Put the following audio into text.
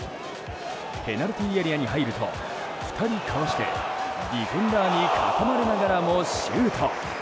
ペナルティーエリアに入ると２人かわしてディフェンダーに囲まれながらもシュート。